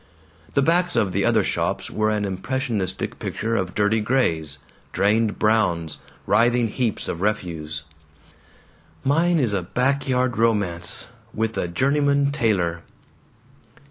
The backs of the other shops were an impressionistic picture of dirty grays, drained browns, writhing heaps of refuse. "Mine is a back yard romance with a journeyman tailor!"